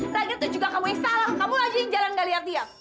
lagi itu juga kamu yang salah kamu aja yang jalan gak liat dia